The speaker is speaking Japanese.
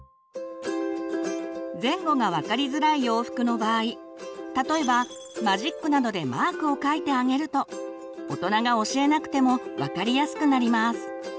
前後が分かりづらい洋服の場合例えばマジックなどでマークを書いてあげると大人が教えなくても分かりやすくなります。